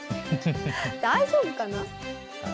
大丈夫かな？